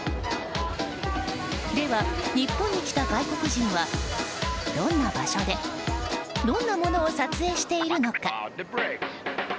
では、日本に来た外国人はどんな場所でどんなものを撮影しているのか。